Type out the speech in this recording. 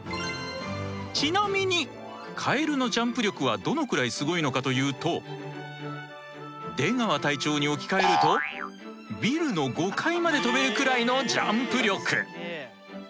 ちなみにカエルのジャンプ力はどのくらいすごいのかというと出川隊長に置き換えるとビルの５階まで跳べるくらいのジャンプ力。